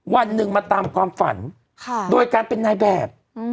วันหนึ่งมาตามความฝันโดยการเป็นนายแบบ